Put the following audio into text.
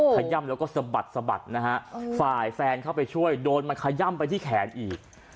ขย่ำแล้วก็สะบัดสะบัดนะฮะฝ่ายแฟนเข้าไปช่วยโดนมันขย่ำไปที่แขนอีก